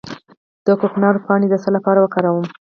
د کوکنارو پاڼې د څه لپاره وکاروم؟